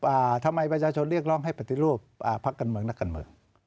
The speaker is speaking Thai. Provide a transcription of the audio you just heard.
อ่าทำไมประชาชนเรียกร้องให้ปฏิรูปอ่าพักการเมืองนักการเมือง